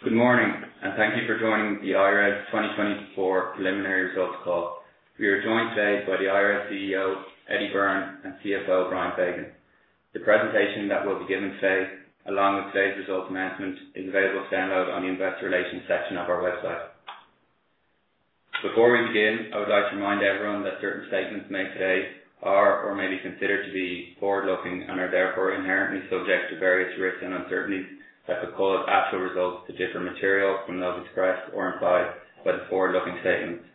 Good morning, and thank you for joining the I-RES 2024 Preliminary Results Call. We are joined today by the I-RES CEO, Eddie Byrne, and CFO, Brian Fagan. The presentation that will be given today, along with today's results announcement, is available to download on the Investor Relations section of our website. Before we begin, I would like to remind everyone that certain statements made today are or may be considered to be forward-looking and are therefore inherently subject to various risks and uncertainties that could cause actual results to differ materially from those expressed or implied by the forward-looking statements.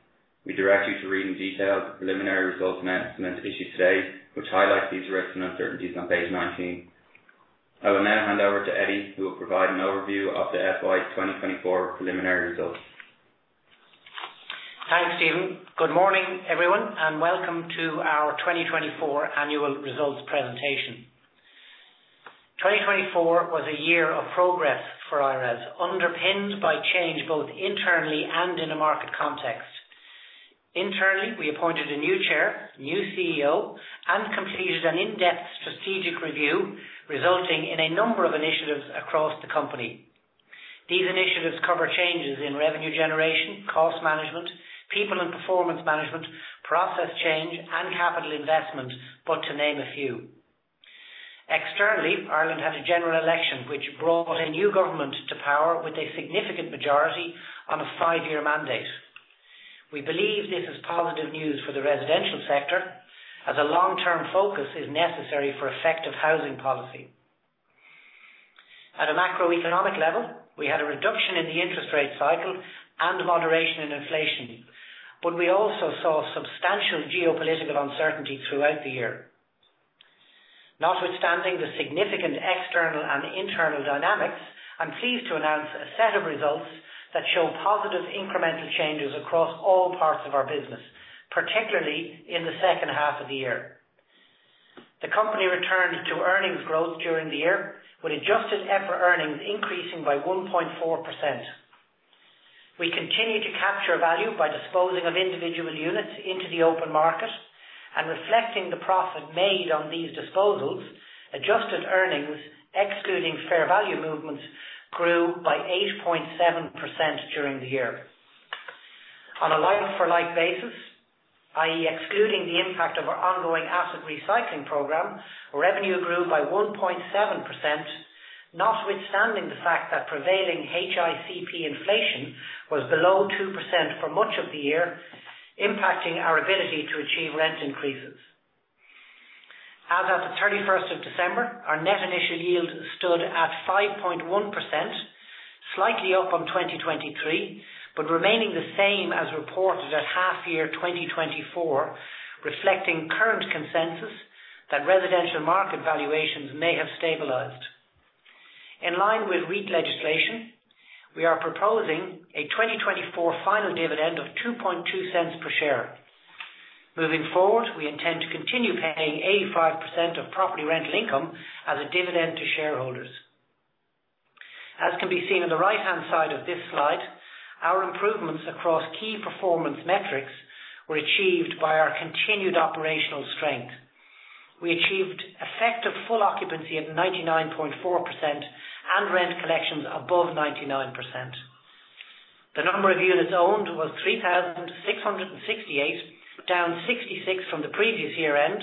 We direct you to read in detail the preliminary results announcement issued today, which highlights these risks and uncertainties on page 19. I will now hand over to Eddie, who will provide an overview of the FY 2024 preliminary results. Thanks, Stephen. Good morning, everyone, and welcome to our 2024 annual results presentation. 2024 was a year of progress for I-RES, underpinned by change both internally and in a market context. Internally, we appointed a new chair, new CEO, and completed an in-depth strategic review, resulting in a number of initiatives across the company. These initiatives cover changes in revenue generation, cost management, people and performance management, process change, and capital investment, but to name a few. Externally, Ireland had a general election, which brought a new government to power with a significant majority on a five-year mandate. We believe this is positive news for the residential sector, as a long-term focus is necessary for effective housing policy. At a macroeconomic level, we had a reduction in the interest rate cycle and moderation in inflation, but we also saw substantial geopolitical uncertainty throughout the year. Notwithstanding the significant external and internal dynamics, I'm pleased to announce a set of results that show positive incremental changes across all parts of our business, particularly in the second half of the year. The company returned to earnings growth during the year, with adjusted EPRA earnings increasing by 1.4%. We continued to capture value by disposing of individual units into the open market, and reflecting the profit made on these disposals, adjusted earnings, excluding fair value movements, grew by 8.7% during the year. On a like-for-like basis, i.e., excluding the impact of our ongoing asset recycling program, revenue grew by 1.7%, notwithstanding the fact that prevailing HICP inflation was below 2% for much of the year, impacting our ability to achieve rent increases. As of the 31st of December, our net initial yield stood at 5.1%, slightly up on 2023, but remaining the same as reported at half-year 2024, reflecting current consensus that residential market valuations may have stabilized. In line with REIT legislation, we are proposing a 2024 final dividend of 0.022 per share. Moving forward, we intend to continue paying 85% of property rental income as a dividend to shareholders. As can be seen on the right-hand side of this slide, our improvements across key performance metrics were achieved by our continued operational strength. We achieved effective full occupancy at 99.4% and rent collections above 99%. The number of units owned was 3,668, down 66 from the previous year-end,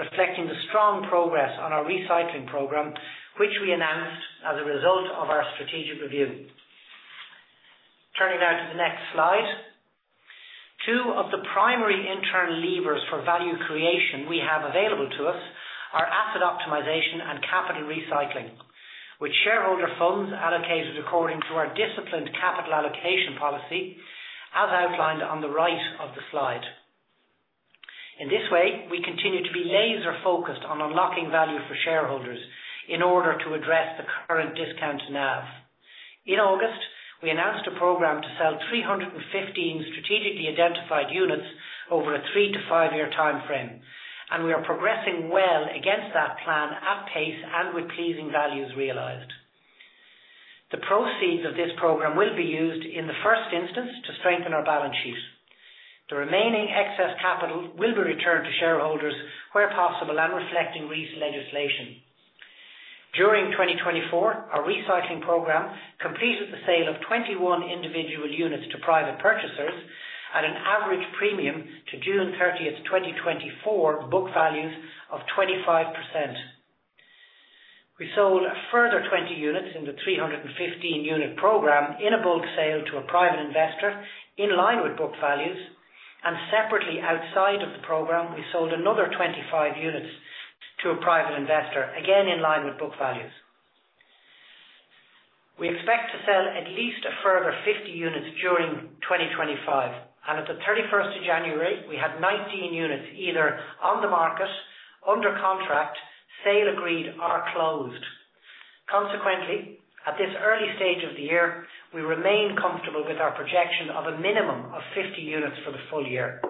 reflecting the strong progress on our recycling program, which we announced as a result of our strategic review. Turning now to the next slide, two of the primary internal levers for value creation we have available to us are asset optimization and capital recycling, which shareholder funds allocated according to our disciplined capital allocation policy, as outlined on the right of the slide. In this way, we continue to be laser-focused on unlocking value for shareholders in order to address the current discount to NAV. In August, we announced a program to sell 315 strategically identified units over a three- to five-year timeframe, and we are progressing well against that plan at pace and with pleasing values realized. The proceeds of this program will be used, in the first instance, to strengthen our balance sheet. The remaining excess capital will be returned to shareholders where possible and reflecting recent legislation. During 2024, our recycling program completed the sale of 21 individual units to private purchasers at an average premium to June 30th, 2024, book values of 25%. We sold a further 20 units in the 315-unit program in a bulk sale to a private investor in line with book values, and separately, outside of the program, we sold another 25 units to a private investor, again in line with book values. We expect to sell at least a further 50 units during 2025, and at the 31st of January, we had 19 units either on the market, under contract, sale agreed, or closed. Consequently, at this early stage of the year, we remain comfortable with our projection of a minimum of 50 units for the full year.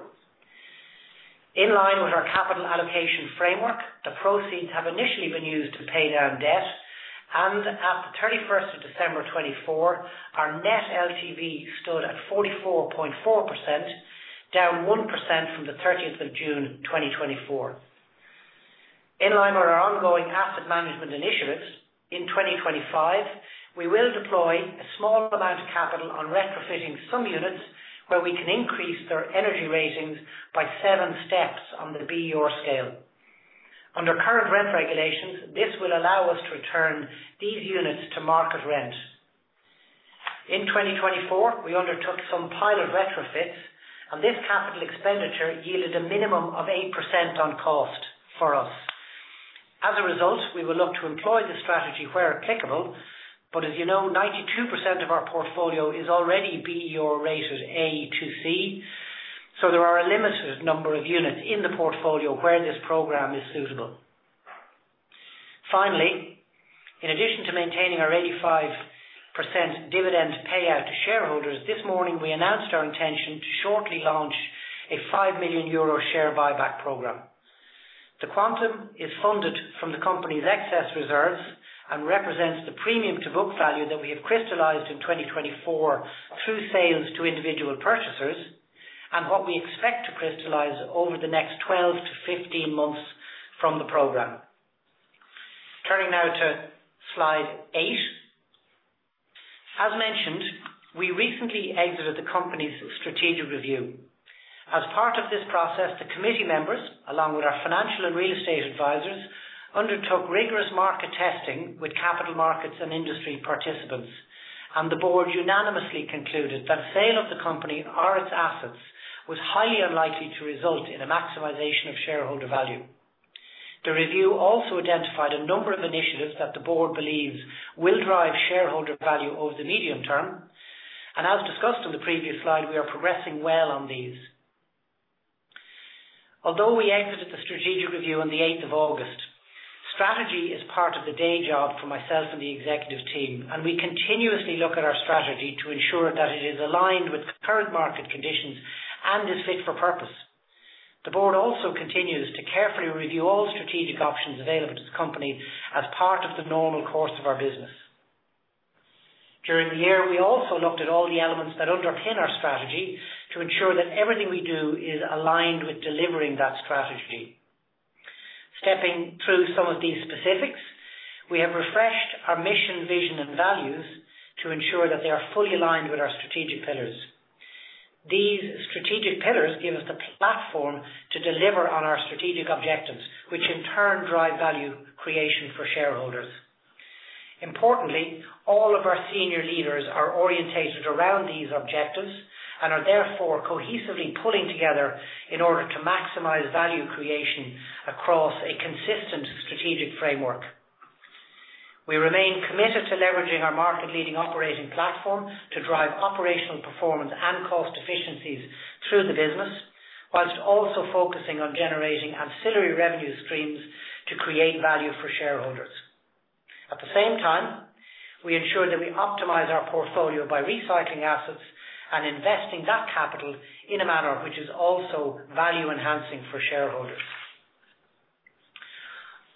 In line with our capital allocation framework, the proceeds have initially been used to pay down debt, and at the 31st of December 2024, our net LTV stood at 44.4%, down 1% from the 30th of June 2024. In line with our ongoing asset management initiatives, in 2025, we will deploy a small amount of capital on retrofitting some units where we can increase their energy ratings by seven steps on the BER scale. Under current rent regulations, this will allow us to return these units to market rent. In 2024, we undertook some pilot retrofits, and this capital expenditure yielded a minimum of 8% on cost for us. As a result, we will look to employ the strategy where applicable, but as you know, 92% of our portfolio is already BER rated A to C, so there are a limited number of units in the portfolio where this program is suitable. Finally, in addition to maintaining our 85% dividend payout to shareholders, this morning we announced our intention to shortly launch a 5 million euro share buyback program. The quantum is funded from the company's excess reserves and represents the premium-to-book value that we have crystallized in 2024 through sales to individual purchasers and what we expect to crystallize over the next 12-15 months from the program. Turning now to slide eight, as mentioned, we recently exited the company's strategic review. As part of this process, the committee members, along with our financial and real estate advisors, undertook rigorous market testing with capital markets and industry participants, and the board unanimously concluded that the sale of the company or its assets was highly unlikely to result in a maximization of shareholder value. The review also identified a number of initiatives that the board believes will drive shareholder value over the medium term, and as discussed on the previous slide, we are progressing well on these. Although we exited the strategic review on the 8th of August, strategy is part of the day job for myself and the executive team, and we continuously look at our strategy to ensure that it is aligned with current market conditions and is fit for purpose. The board also continues to carefully review all strategic options available to the company as part of the normal course of our business. During the year, we also looked at all the elements that underpin our strategy to ensure that everything we do is aligned with delivering that strategy. Stepping through some of these specifics, we have refreshed our mission, vision, and values to ensure that they are fully aligned with our strategic pillars. These strategic pillars give us the platform to deliver on our strategic objectives, which in turn drive value creation for shareholders. Importantly, all of our senior leaders are orientated around these objectives and are therefore cohesively pulling together in order to maximize value creation across a consistent strategic framework. We remain committed to leveraging our market-leading operating platform to drive operational performance and cost efficiencies through the business, whilst also focusing on generating ancillary revenue streams to create value for shareholders. At the same time, we ensure that we optimize our portfolio by recycling assets and investing that capital in a manner which is also value-enhancing for shareholders.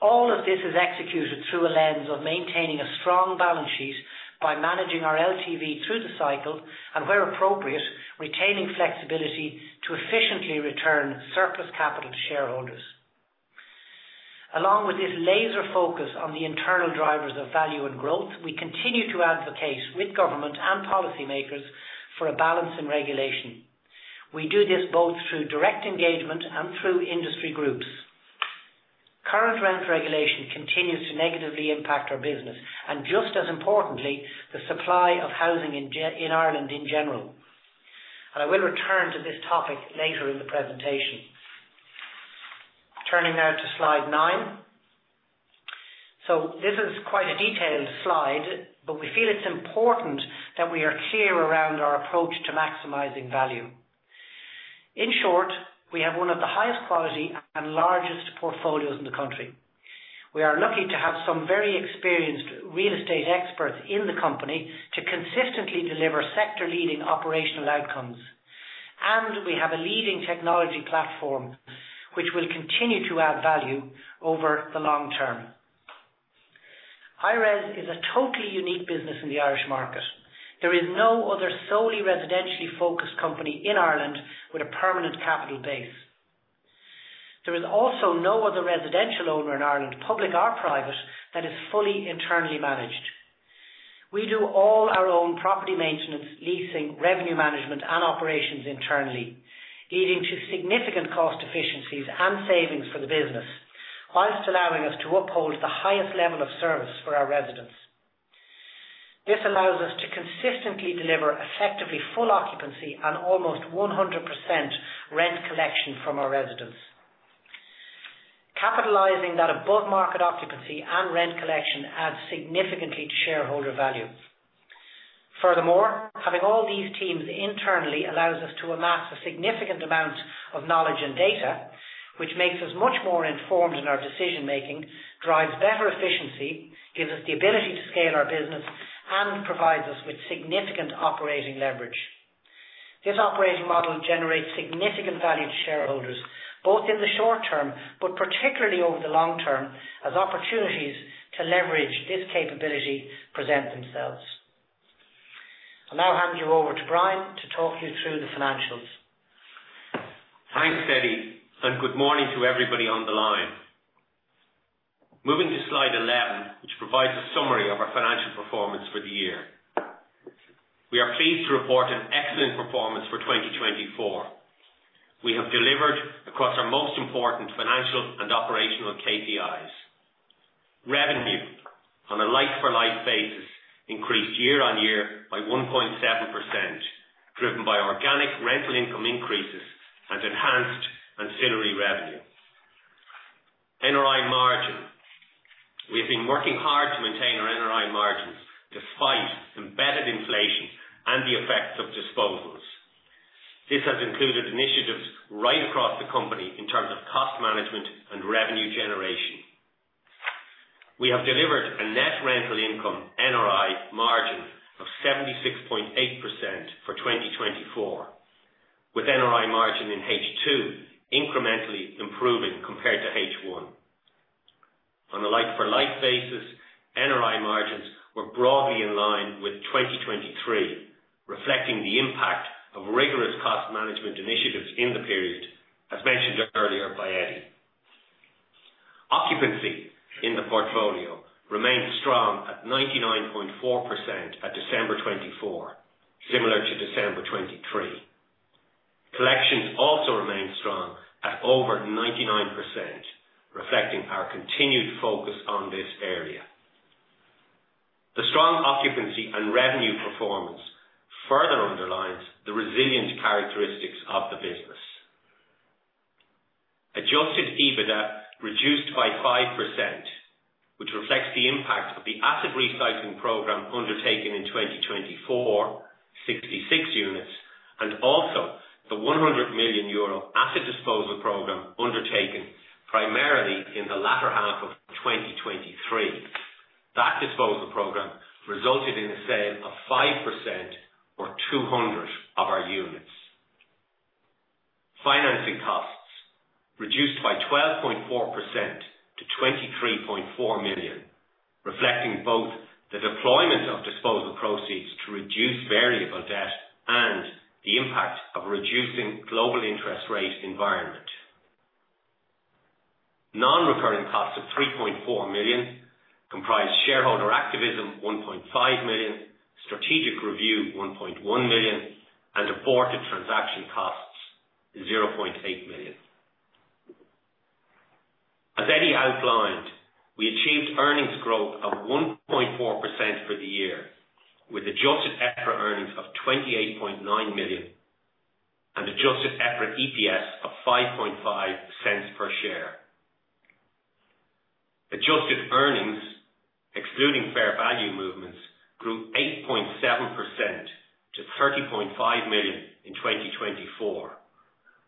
All of this is executed through a lens of maintaining a strong balance sheet by managing our LTV through the cycle and, where appropriate, retaining flexibility to efficiently return surplus capital to shareholders. Along with this laser focus on the internal drivers of value and growth, we continue to advocate with government and policymakers for a balance in regulation. We do this both through direct engagement and through industry groups. Current rent regulation continues to negatively impact our business, and just as importantly, the supply of housing in Ireland in general. I will return to this topic later in the presentation. Turning now to slide nine. This is quite a detailed slide, but we feel it's important that we are clear around our approach to maximizing value. In short, we have one of the highest quality and largest portfolios in the country. We are lucky to have some very experienced real estate experts in the company to consistently deliver sector-leading operational outcomes, and we have a leading technology platform which will continue to add value over the long term. I-RES is a totally unique business in the Irish market. There is no other solely residentially focused company in Ireland with a permanent capital base. There is also no other residential owner in Ireland, public or private, that is fully internally managed. We do all our own property maintenance, leasing, revenue management, and operations internally, leading to significant cost efficiencies and savings for the business, while allowing us to uphold the highest level of service for our residents. This allows us to consistently deliver effectively full occupancy and almost 100% rent collection from our residents. Capitalizing that above-market occupancy and rent collection adds significantly to shareholder value. Furthermore, having all these teams internally allows us to amass a significant amount of knowledge and data, which makes us much more informed in our decision-making, drives better efficiency, gives us the ability to scale our business, and provides us with significant operating leverage. This operating model generates significant value to shareholders, both in the short term but particularly over the long term, as opportunities to leverage this capability present themselves. I'll now hand you over to Brian to talk you through the financials. Thanks, Eddie, and good morning to everybody on the line. Moving to Slide 11, which provides a summary of our financial performance for the year. We are pleased to report an excellent performance for 2024. We have delivered across our most important financial and operational KPIs. Revenue, on a like-for-like basis, increased year-on-year by 1.7%, driven by organic rental income increases and enhanced ancillary revenue. NRI margin, we have been working hard to maintain our NRI margins despite embedded inflation and the effects of disposals. This has included initiatives right across the company in terms of cost management and revenue generation. We have delivered a net rental income NRI margin of 76.8% for 2024, with NRI margin in H2 incrementally improving compared to H1. On a like-for-like basis, NRI margins were broadly in line with 2023, reflecting the impact of rigorous cost management initiatives in the period, as mentioned earlier by Eddie. Occupancy in the portfolio remained strong at 99.4% at December 2024, similar to December 2023. Collections also remained strong at over 99%, reflecting our continued focus on this area. The strong occupancy and revenue performance further underlines the resilient characteristics of the business. Adjusted EBITDA reduced by 5%, which reflects the impact of the asset recycling program undertaken in 2024, 66 units, and also the 100 million euro asset disposal program undertaken primarily in the latter half of 2023. That disposal program resulted in a sale of 5% or 200 of our units. Financing costs reduced by 12.4% to 23.4 million, reflecting both the deployment of disposal proceeds to reduce variable debt and the impact of a reducing global interest rate environment. Non-recurring costs of 3.4 million comprise shareholder activism, 1.5 million, strategic review, 1.1 million, and aborted transaction costs, 0.8 million. As Eddie outlined, we achieved earnings growth of 1.4% for the year, with adjusted EPRA earnings of 28.9 million and adjusted EPRA EPS of 0.055 per share. Adjusted earnings, excluding fair value movements, grew 8.7% to 30.5 million in 2024,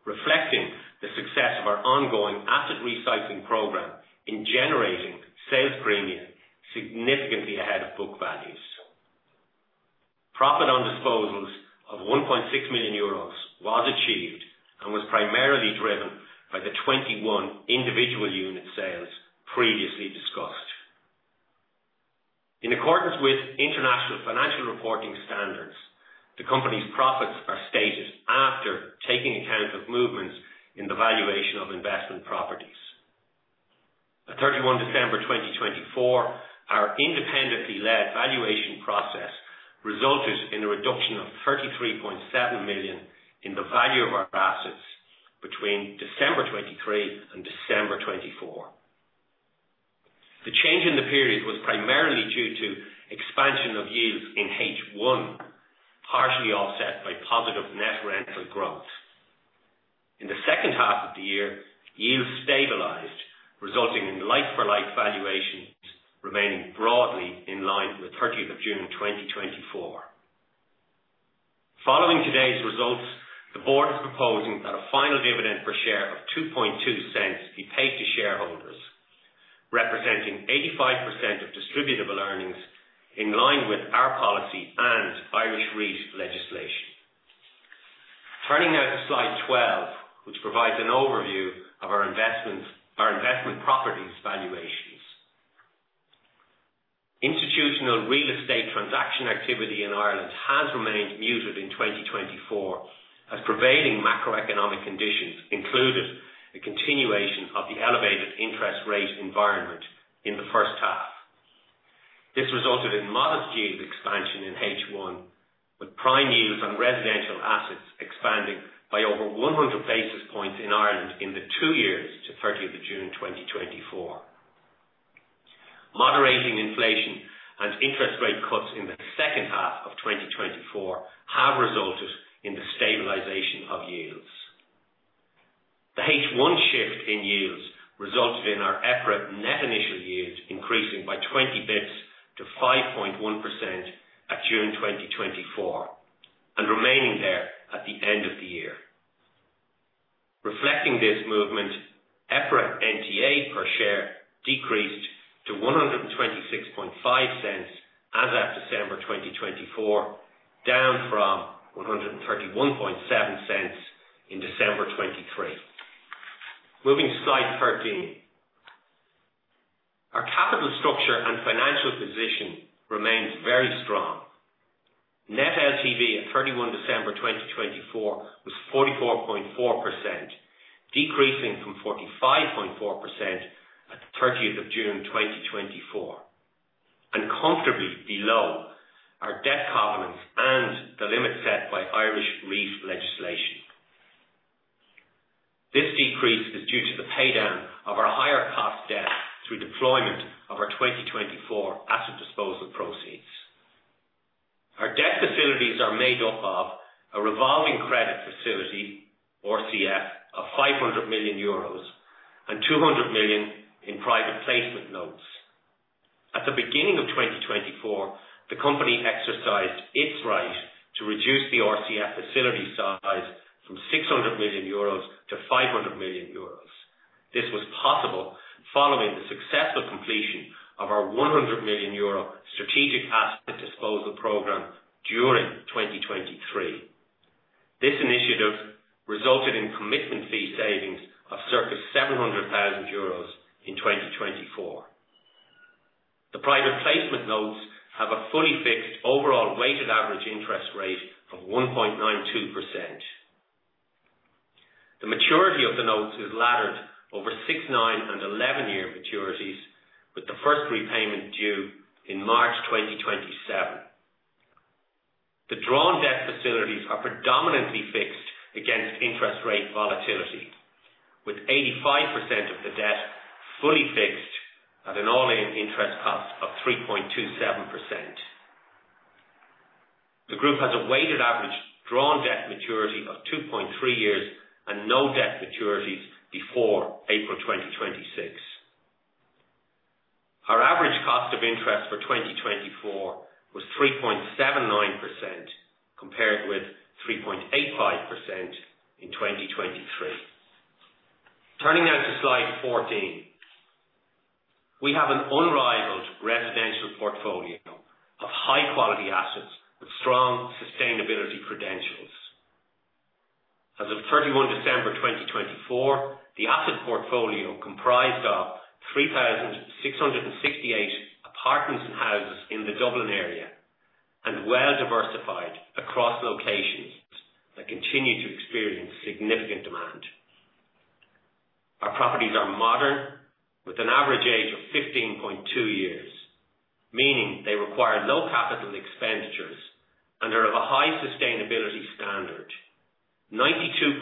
reflecting the success of our ongoing asset recycling program in generating sales premium significantly ahead of book values. Profit on disposals of 1.6 million euros was achieved and was primarily driven by the 21 individual unit sales previously discussed. In accordance with international financial reporting standards, the company's profits are stated after taking account of movements in the valuation of investment properties. At 31 December 2024, our independently led valuation process resulted in a reduction of 33.7 million in the value of our assets between December 2023 and December 2024. The change in the period was primarily due to expansion of yields in H1, partially offset by positive net rental growth. In the second half of the year, yields stabilized, resulting in like-for-like valuations remaining broadly in line with 30 June 2024. Following today's results, the board is proposing that a final dividend per share of 0.022 be paid to shareholders, representing 85% of distributable earnings in line with our policy and Irish REIT legislation. Turning now to slide 12, which provides an overview of our investment properties valuations. Institutional real estate transaction activity in Ireland has remained muted in 2024, as prevailing macroeconomic conditions included a continuation of the elevated interest rate environment in the first half. This resulted in modest yield expansion in H1, with prime yields on residential assets expanding by over 100 basis points in Ireland in the two years to 30th of June 2024. Moderating inflation and interest rate cuts in the second half of 2024 have resulted in the stabilization of yields. The H1 shift in yields resulted in our EPRA net initial yield increasing by 20 basis points to 5.1% at June 2024 and remaining there at the end of the year. Reflecting this movement, EPRA NTA per share decreased to 1.265 as of December 2024, down from 1.317 in December 2023. Moving to slide 13. Our capital structure and financial position remained very strong. Net LTV at 31 December 2024 was 44.4%, decreasing from 45.4% at 30th of June 2024, and comfortably below our debt covenants and the limits set by Irish REITs legislation. This decrease is due to the paydown of our higher cost debt through deployment of our 2024 asset disposal proceeds. Our debt facilities are made up of a Revolving Credit Facility, RCF, of 500 million euros and 200 million in private placement notes. At the beginning of 2024, the company exercised its right to reduce the RCF facility size from 600 million euros to 500 million euros. This was possible following the successful completion of our 100 million euro strategic asset disposal program during 2023. This initiative resulted in commitment fee savings of circa 700,000 euros in 2024. The private placement notes have a fully fixed overall weighted average interest rate of 1.92%. The maturity of the notes is laddered over six, nine, and 11-year maturities, with the first repayment due in March 2027. The drawn debt facilities are predominantly fixed against interest rate volatility, with 85% of the debt fully fixed at an all-in interest cost of 3.27%. The group has a weighted average drawn debt maturity of 2.3 years and no debt maturities before April 2026. Our average cost of interest for 2024 was 3.79%, compared with 3.85% in 2023. Turning now to Slide 14. We have an unrivaled residential portfolio of high-quality assets with strong sustainability credentials. As of 31 December 2024, the asset portfolio comprised of 3,668 apartments and houses in the Dublin area and well-diversified across locations that continue to experience significant demand. Our properties are modern, with an average age of 15.2 years, meaning they require low capital expenditures and are of a high sustainability standard. 92%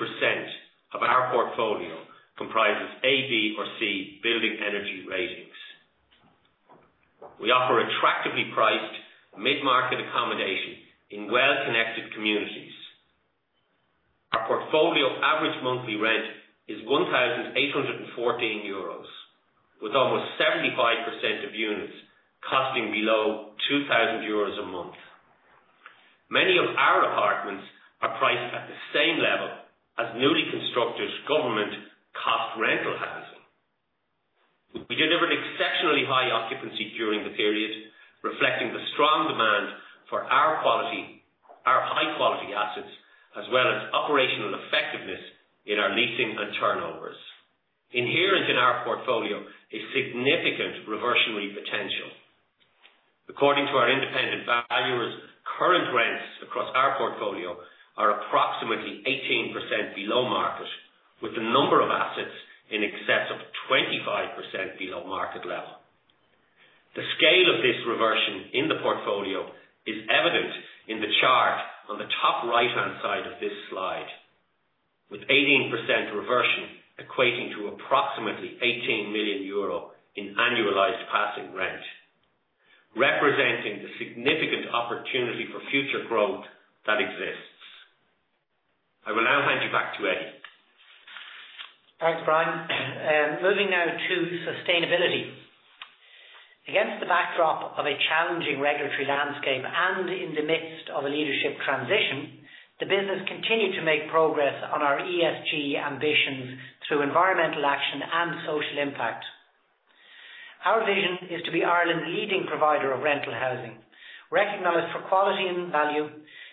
of our portfolio comprises A, B, or C building energy ratings. We offer attractively priced mid-market accommodation in well-connected communities. Our portfolio average monthly rent is EUR 1,814 with almost 75% of units costing below 2,000 euros a month. Many of our apartments are priced at the same level as newly constructed government Cost Rental housing. We delivered exceptionally high occupancy during the period, reflecting the strong demand for our high-quality assets, as well as operational effectiveness in our leasing and turnovers. Inherent in our portfolio, a significant reversionary potential. According to our independent valuers, current rents across our portfolio are approximately 18% below market, with the number of assets in excess of 25% below market level. The scale of this reversion in the portfolio is evident in the chart on the top right-hand side of this slide, with 18% reversion equating to approximately 18 million euro in annualized passing rent, representing the significant opportunity for future growth that exists. I will now hand you back to Eddie. Thanks, Brian. Moving now to sustainability. Against the backdrop of a challenging regulatory landscape and in the midst of a leadership transition, the business continued to make progress on our ESG ambitions through environmental action and social impact. Our vision is to be Ireland's leading provider of rental housing, recognized for quality and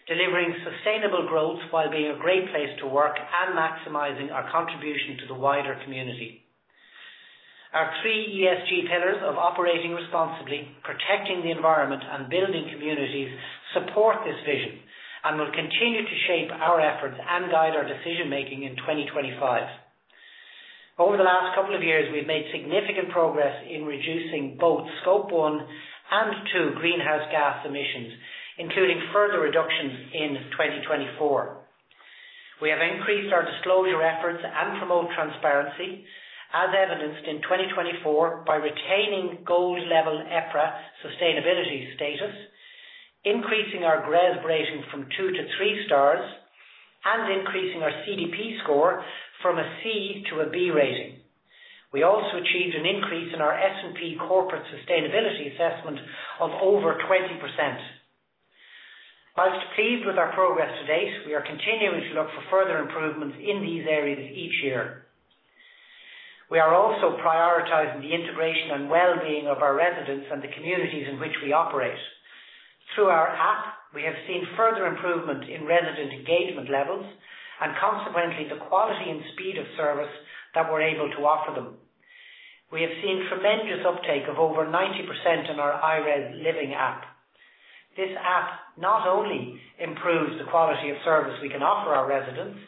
value, delivering sustainable growth while being a great place to work and maximizing our contribution to the wider community. Our three ESG pillars of Operating Responsibly, Protecting the Environment, and Building Communities, support this vision and will continue to shape our efforts and guide our decision-making in 2025. Over the last couple of years, we've made significant progress in reducing both Scope 1 and 2 greenhouse gas emissions, including further reductions in 2024. We have increased our disclosure efforts and promote transparency, as evidenced in 2024 by retaining gold-level EPRA sustainability status, increasing our GRESB rating from two to three stars, and increasing our CDP score from a C to a B rating. We also achieved an increase in our S&P Corporate Sustainability Assessment of over 20%. Most pleased with our progress to date, we are continuing to look for further improvements in these areas each year. We are also prioritizing the integration and well-being of our residents and the communities in which we operate. Through our app, we have seen further improvement in resident engagement levels and, consequently, the quality and speed of service that we're able to offer them. We have seen tremendous uptake of over 90% in our I-RES Living app. This app not only improves the quality of service we can offer our residents,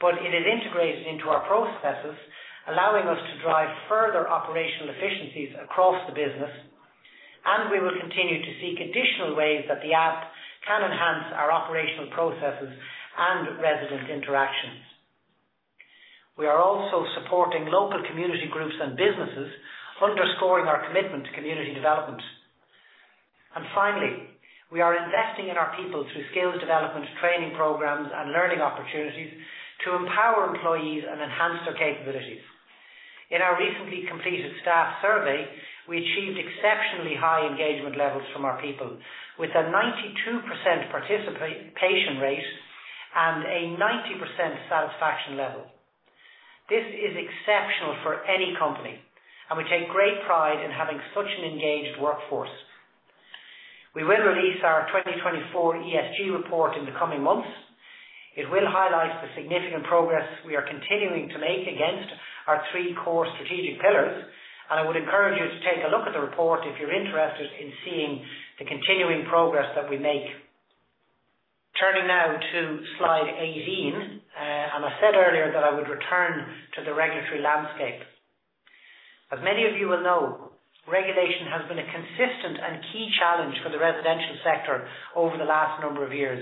but it is integrated into our processes, allowing us to drive further operational efficiencies across the business, and we will continue to seek additional ways that the app can enhance our operational processes and resident interactions. We are also supporting local community groups and businesses, underscoring our commitment to community development, and finally, we are investing in our people through skills development, training programs, and learning opportunities to empower employees and enhance their capabilities. In our recently completed staff survey, we achieved exceptionally high engagement levels from our people, with a 92% participation rate and a 90% satisfaction level. This is exceptional for any company, and we take great pride in having such an engaged workforce. We will release our 2024 ESG Report in the coming months. It will highlight the significant progress we are continuing to make against our three core strategic pillars, and I would encourage you to take a look at the report if you're interested in seeing the continuing progress that we make. Turning now to Slide 18, and I said earlier that I would return to the regulatory landscape. As many of you will know, regulation has been a consistent and key challenge for the residential sector over the last number of years,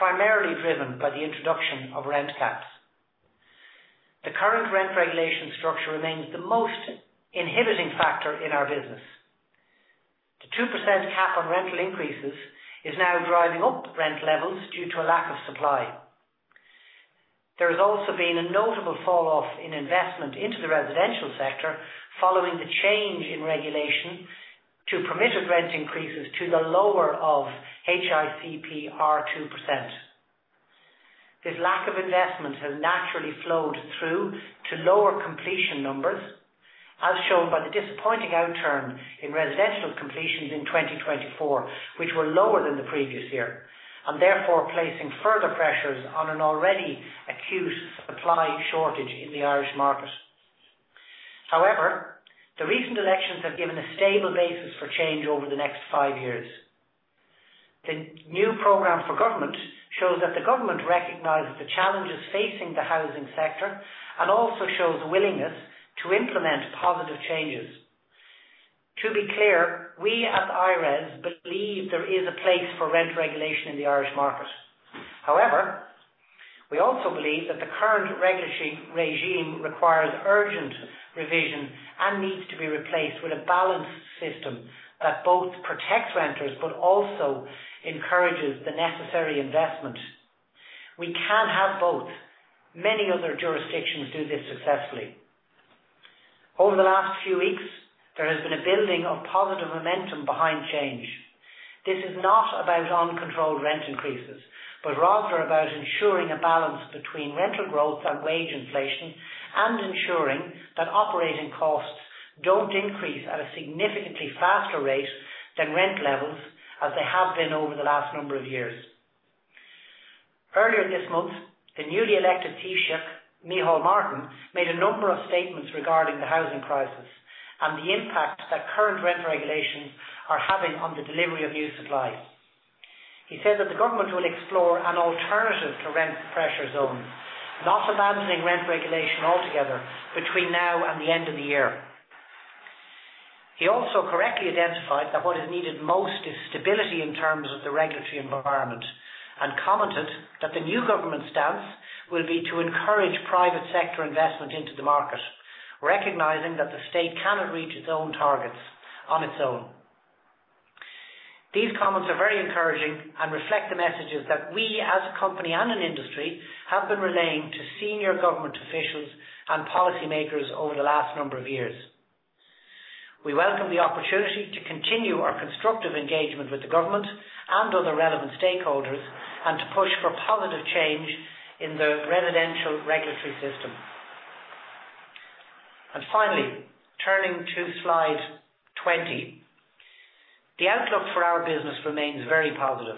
primarily driven by the introduction of rent caps. The current rent regulation structure remains the most inhibiting factor in our business. The 2% cap on rental increases is now driving up rent levels due to a lack of supply. There has also been a notable falloff in investment into the residential sector following the change in regulation to permit rent increases to the lower of HICP or 2%. This lack of investment has naturally flowed through to lower completion numbers, as shown by the disappointing outturn in residential completions in 2024, which were lower than the previous year, and therefore placing further pressures on an already acute supply shortage in the Irish market. However, the recent elections have given a stable basis for change over the next five years. The new Programme for Government shows that the government recognizes the challenges facing the housing sector and also shows a willingness to implement positive changes. To be clear, we at I-RES, believe there is a place for rent regulation in the Irish market. However, we also believe that the current regulatory regime requires urgent revision and needs to be replaced with a balanced system that both protects renters but also encourages the necessary investment. We can have both. Many other jurisdictions do this successfully. Over the last few weeks, there has been a building of positive momentum behind change. This is not about uncontrolled rent increases, but rather about ensuring a balance between rental growth and wage inflation and ensuring that operating costs don't increase at a significantly faster rate than rent levels, as they have been over the last number of years. Earlier this month, the newly elected Taoiseach, Micheál Martin, made a number of statements regarding the housing crisis and the impact that current rent regulations are having on the delivery of new supply. He said that the government will explore an alternative to Rent Pressure Zones, not abandoning rent regulation altogether between now and the end of the year. He also correctly identified that what is needed most is stability in terms of the regulatory environment and commented that the new government's stance will be to encourage private sector investment into the market, recognizing that the state cannot reach its own targets on its own. These comments are very encouraging and reflect the messages that we, as a company and an industry, have been relaying to senior government officials and policymakers over the last number of years. We welcome the opportunity to continue our constructive engagement with the government and other relevant stakeholders and to push for positive change in the residential regulatory system. And finally, turning to Slide 20, the outlook for our business remains very positive.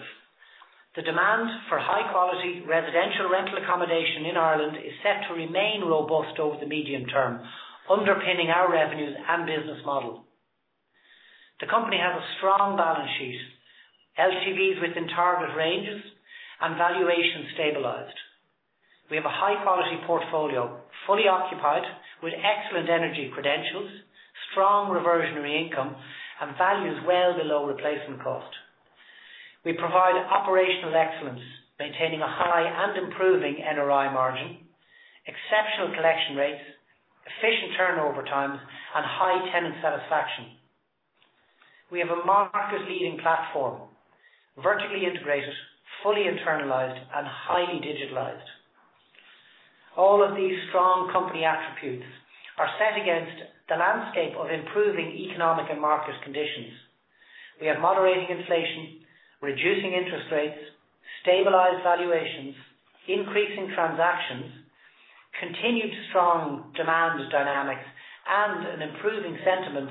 The demand for high-quality residential rental accommodation in Ireland is set to remain robust over the medium term, underpinning our revenues and business model. The company has a strong balance sheet, LTVs within target ranges, and valuations stabilized. We have a high-quality portfolio, fully occupied, with excellent energy credentials, strong reversionary income, and values well below replacement cost. We provide operational excellence, maintaining a high and improving NRI margin, exceptional collection rates, efficient turnover times, and high tenant satisfaction. We have a market-leading platform, vertically integrated, fully internalized, and highly digitalized. All of these strong company attributes are set against the landscape of improving economic and market conditions. We have moderating inflation, reducing interest rates, stabilized valuations, increasing transactions, continued strong demand dynamics, and an improving sentiment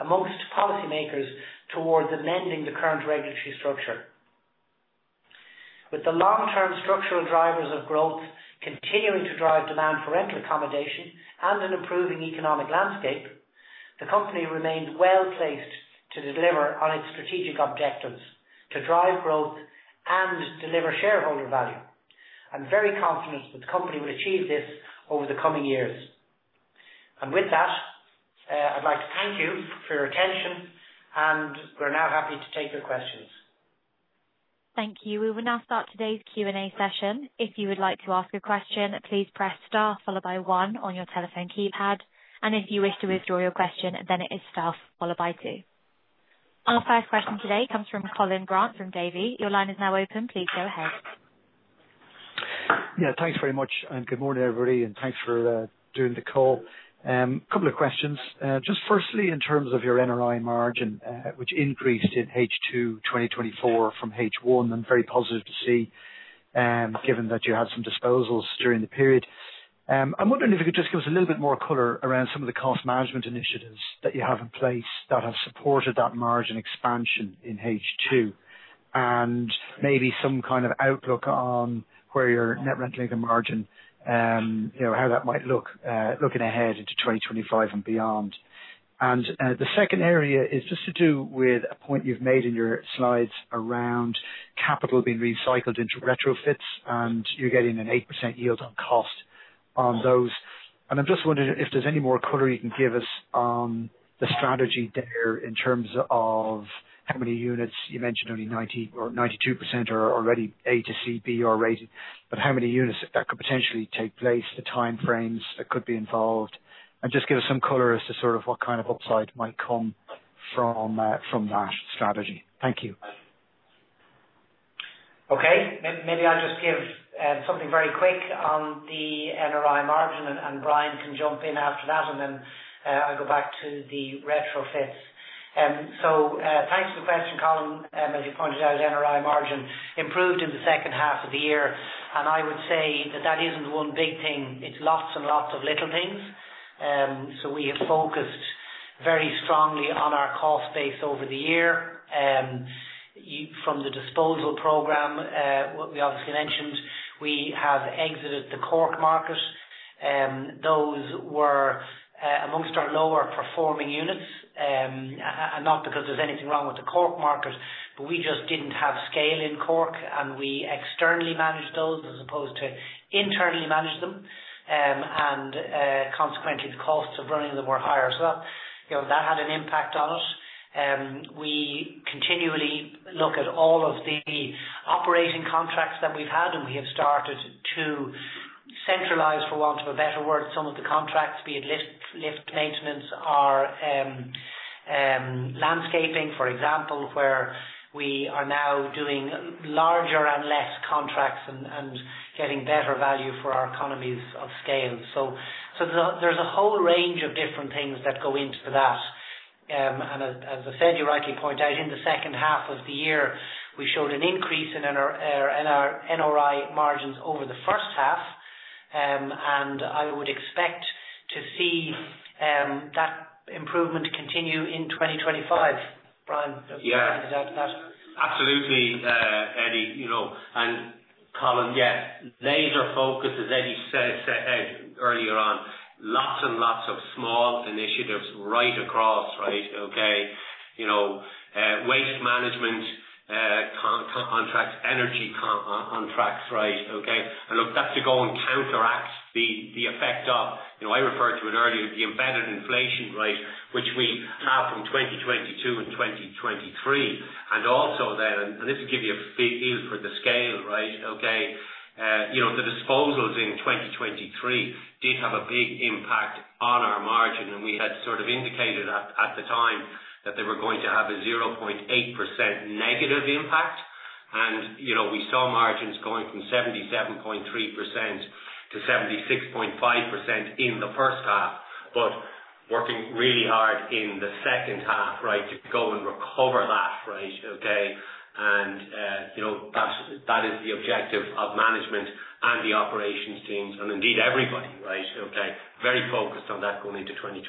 amongst policymakers towards amending the current regulatory structure. With the long-term structural drivers of growth continuing to drive demand for rental accommodation and an improving economic landscape, the company remains well placed to deliver on its strategic objectives, to drive growth and deliver shareholder value. I'm very confident that the company will achieve this over the coming years, and with that, I'd like to thank you for your attention, and we're now happy to take your questions. Thank you. We will now start today's Q&A session. If you would like to ask a question, please press star followed by one on your telephone keypad, and if you wish to withdraw your question, then it is star followed by two. Our first question today comes from Colin Grant from Davy. Your line is now open. Please go ahead. Yeah, thanks very much, and good morning, everybody, and thanks for doing the call. A couple of questions. Just firstly, in terms of your NRI margin, which increased in H2 2024 from H1, I'm very positive to see, given that you had some disposals during the period. I'm wondering if you could just give us a little bit more color around some of the cost management initiatives that you have in place that have supported that margin expansion in H2, and maybe some kind of outlook on where your net rental income margin, how that might look looking ahead into 2025 and beyond. And the second area is just to do with a point you've made in your slides around capital being recycled into retrofits, and you're getting an 8% yield on cost on those. I'm just wondering if there's any more color you can give us on the strategy there in terms of how many units. You mentioned only 90% or 92% are already A to C BER rated, but how many units that could potentially take place, the time frames that could be involved, and just give us some color as to sort of what kind of upside might come from that strategy. Thank you. Okay, maybe I'll just give something very quick on the NRI margin, and Brian can jump in after that, and then I'll go back to the retrofits. So thanks for the question, Colin. As you pointed out, NRI margin improved in the second half of the year, and I would say that that isn't one big thing. It's lots and lots of little things. So we have focused very strongly on our cost base over the year. From the disposal program, what we obviously mentioned, we have exited the Cork market. Those were amongst our lower performing units, and not because there's anything wrong with the Cork market, but we just didn't have scale in Cork, and we externally managed those as opposed to internally manage them, and consequently, the costs of running them were higher. So that had an impact on us. We continually look at all of the operating contracts that we've had, and we have started to centralize, for want of a better word, some of the contracts, be it lift maintenance or landscaping, for example, where we are now doing larger and less contracts and getting better value for our economies of scale. So there's a whole range of different things that go into that. And as I said, you rightly point out, in the second half of the year, we showed an increase in our NRI margins over the first half, and I would expect to see that improvement continue in 2025. Brian, do you have any thoughts on that? Yeah, absolutely, Eddie. And Colin, yeah, laser-focussed as Eddie said earlier on, lots and lots of small initiatives right across, right? Okay, waste management contracts, energy contracts, right? Okay. And look, that's to go and counteract the effect of, I referred to it earlier, the embedded inflation, right, which we have from 2022 and 2023. And also then, and this will give you a feel for the scale, right? Okay, the disposals in 2023 did have a big impact on our margin, and we had sort of indicated at the time that they were going to have a 0.8% negative impact. And we saw margins going from 77.3% to 76.5% in the first half, but working really hard in the second half, right, to go and recover that, right? Okay. And that is the objective of management and the operations teams, and indeed everybody, right? Okay, very focused on that going into 2025.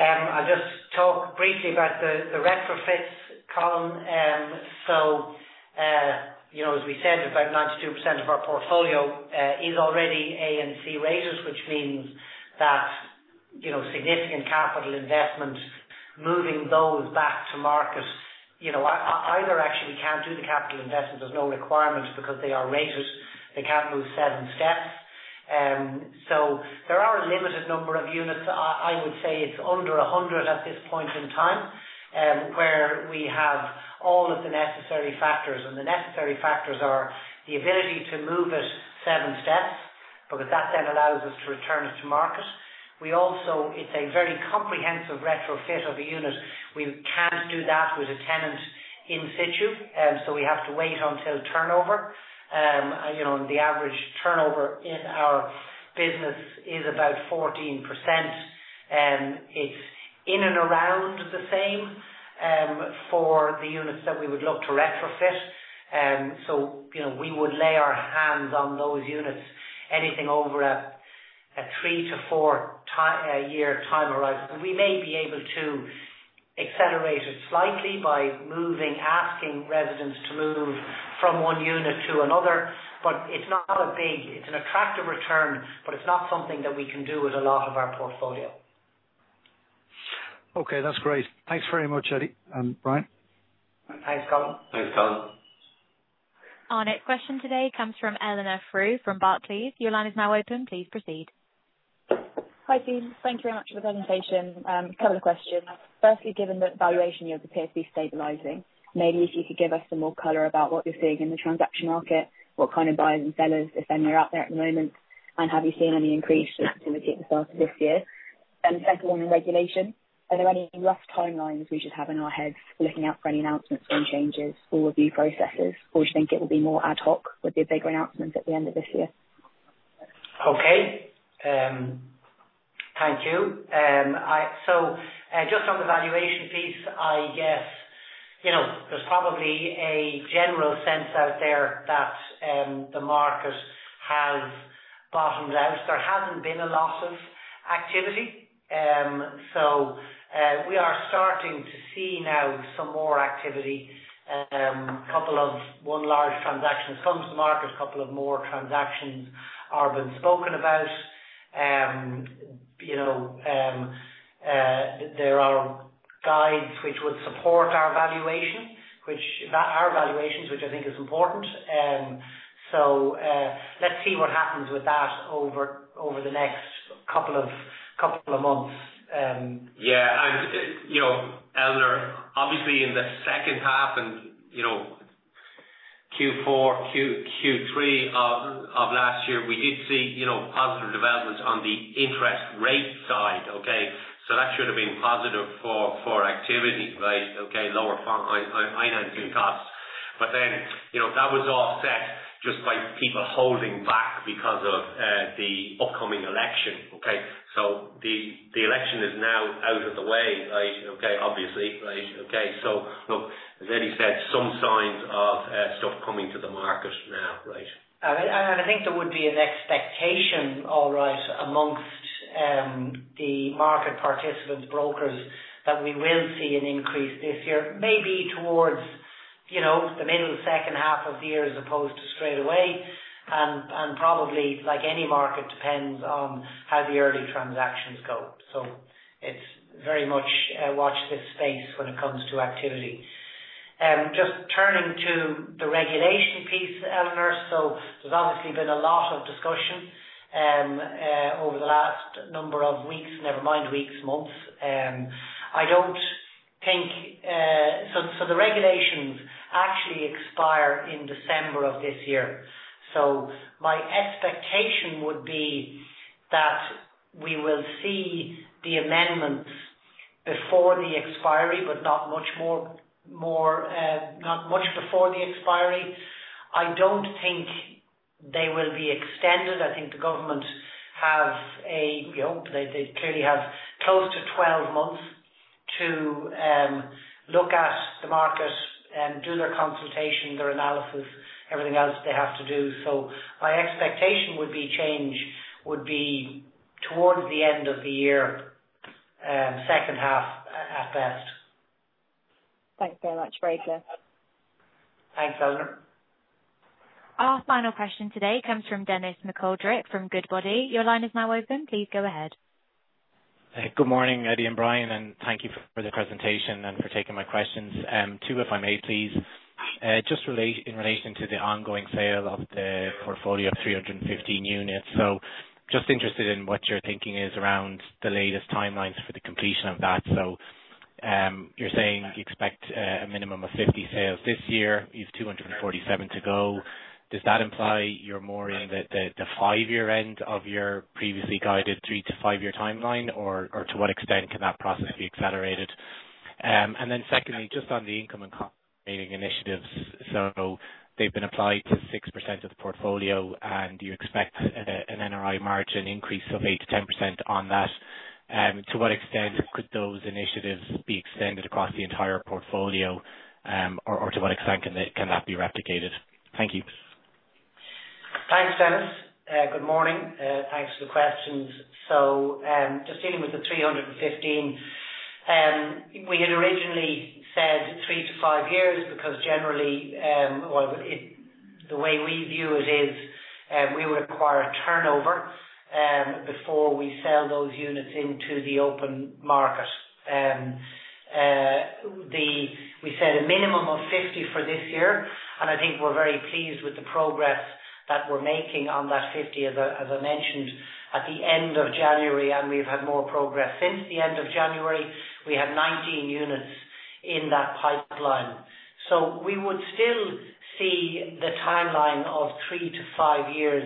I'll just talk briefly about the retrofits, Colin. So as we said, about 92% of our portfolio is already A and C rated, which means that significant capital investment. Moving those back to market, either actually we can't do the capital investment. There's no requirement because they are raters. They can't move seven steps. So there are a limited number of units. I would say it's under 100 at this point in time, where we have all of the necessary factors. And the necessary factors are the ability to move it seven steps, because that then allows us to return it to market. We also, it's a very comprehensive retrofit of a unit. We can't do that with a tenant in situ, so we have to wait until turnover. The average turnover in our business is about 14%. It's in and around the same for the units that we would look to retrofit. So we would lay our hands on those units, anything over a three- to four-year time horizon. We may be able to accelerate it slightly by moving, asking residents to move from one unit to another, but it's an attractive return, but it's not something that we can do with a lot of our portfolio. Okay, that's great. Thanks very much, Eddie and Brian. Thanks, Colin. Thanks, Colin. Our next question today comes from Eleanor Frew from Barclays. Your line is now open. Please proceed. Hi team, thank you very much for the presentation. A couple of questions. Firstly, given that valuation yields appear to be stabilizing, maybe if you could give us some more color about what you're seeing in the transaction market, what kind of buyers and sellers, if any, are out there at the moment, and have you seen any increase in activity at the start of this year? And second one, regulation. Are there any rough timelines we should have in our heads for looking out for any announcements on changes or review processes, or do you think it will be more ad hoc with the bigger announcements at the end of this year? Okay, thank you. So just on the valuation piece, I guess there's probably a general sense out there that the market has bottomed out. There hasn't been a loss of activity. So we are starting to see now some more activity. A couple of one large transaction has come to the market, a couple of more transactions are being spoken about. There are guides which would support our valuation, which our valuations, which I think is important. So let's see what happens with that over the next couple of months. Yeah, and Eleanor, obviously in the second half and Q4, Q3 of last year, we did see positive developments on the interest rate side, okay? So that should have been positive for activity, right? Okay, lower financing costs. But then that was all offset by people holding back because of the upcoming election, okay? So the election is now out of the way, right? Okay, obviously, right? Okay. So look, as Eddie said, some signs of stuff coming to the market now, right? I think there would be an expectation alright amongst the market participants, brokers, that we will see an increase this year, maybe towards the middle of the second half of the year as opposed to straight away. Probably, like any market, depends on how the early transactions go. It's very much watch this space when it comes to activity. Just turning to the regulation piece, Eleanor, so there's obviously been a lot of discussion over the last number of weeks, never mind weeks, months. I don't think, so the regulations actually expire in December of this year. My expectation would be that we will see the amendments before the expiry, but not much before the expiry. I don't think they will be extended. I think the government clearly have close to 12 months to look at the market and do their consultation, their analysis, everything else they have to do. So my expectation would be change would be towards the end of the year, second half at best. Thanks very much, very clear. Thanks, Eleanor. Our final question today comes from Denis McGoldrick from Goodbody. Your line is now open. Please go ahead. Good morning, Eddie and Brian, and thank you for the presentation and for taking my questions. Two, if I may, please. Just in relation to the ongoing sale of the portfolio of 315 units. So just interested in what your thinking is around the latest timelines for the completion of that. So you're saying you expect a minimum of 50 sales this year. You have 247 to go. Does that imply you're more in the five-year end of your previously guided three- to five-year timeline, or to what extent can that process be accelerated? And then secondly, just on the income and cost meeting initiatives. So they've been applied to 6% of the portfolio, and you expect an NRI margin increase of 8%-10% on that. To what extent could those initiatives be extended across the entire portfolio, or to what extent can that be replicated? Thank you. Thanks, Denis. Good morning. Thanks for the questions. So, just dealing with the 315, we had originally said three to five years because generally, the way we view it is we require turnover before we sell those units into the open market. We set a minimum of 50 for this year, and I think we're very pleased with the progress that we're making on that 50, as I mentioned, at the end of January, and we've had more progress since the end of January. We have 19 units in that pipeline. So, we would still see the timeline of three to five years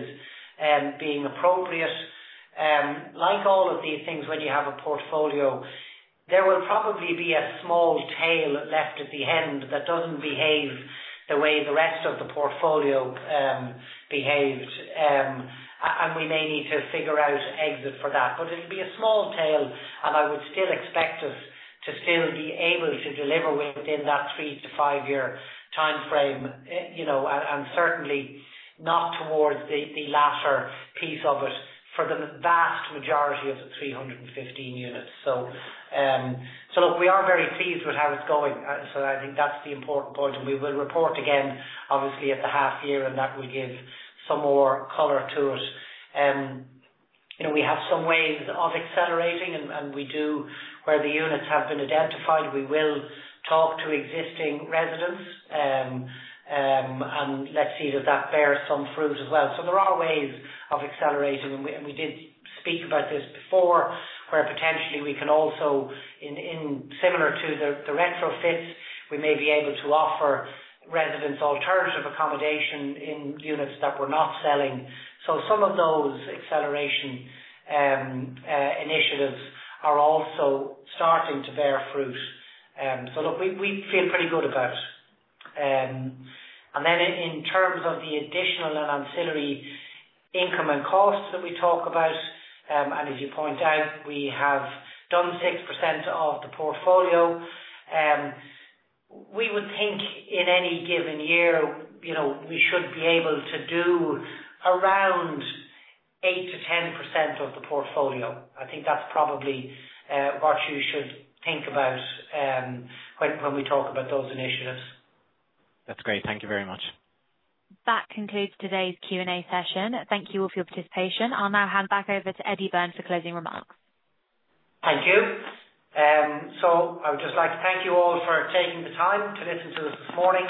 being appropriate. Like all of these things, when you have a portfolio, there will probably be a small tail left at the end that doesn't behave the way the rest of the portfolio behaved. We may need to figure out exit for that, but it'll be a small tail, and I would still expect us to still be able to deliver within that three- to five-year timeframe, and certainly not towards the latter piece of it for the vast majority of the 315 units. Look, we are very pleased with how it's going. I think that's the important point, and we will report again, obviously, at the half year, and that will give some more color to it. We have some ways of accelerating, and we do, where the units have been identified. We will talk to existing residents, and let's see does that bear some fruit as well. So there are ways of accelerating, and we did speak about this before, where potentially we can also, similar to the retrofits, we may be able to offer residents alternative accommodation in units that we're not selling. So some of those acceleration initiatives are also starting to bear fruit. So look, we feel pretty good about it. And then in terms of the additional and ancillary income and costs that we talk about, and as you point out, we have done 6% of the portfolio. We would think in any given year we should be able to do around 8%-10% of the portfolio. I think that's probably what you should think about when we talk about those initiatives. That's great. Thank you very much. That concludes today's Q&A session. Thank you all for your participation. I'll now hand back over to Eddie Byrne for closing remarks. Thank you. So I would just like to thank you all for taking the time to listen to this morning.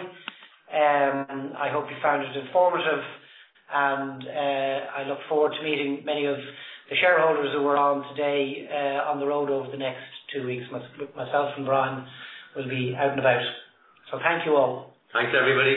I hope you found it informative, and I look forward to meeting many of the shareholders who were on today on the road over the next two weeks. Myself and Brian will be out and about. So thank you all. Thanks, everybody.